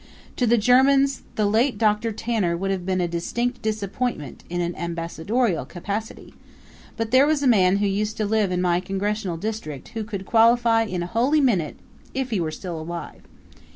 To the Germans the late Doctor Tanner would have been a distinct disappointment in an ambassadorial capacity; but there was a man who used to live in my congressional district who could qualify in a holy minute if he were still alive.